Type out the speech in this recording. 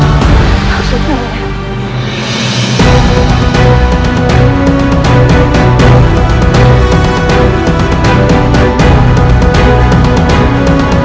aku membawa selasi dalam keadaan terselamat